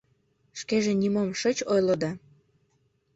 Шкеже нимом шыч ойло да...